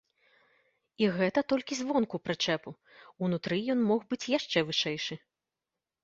І гэта толькі звонку прычэпу, унутры ён мог быць яшчэ вышэйшы.